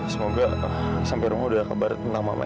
semoga sampai rumah udah kebarat nama mama ya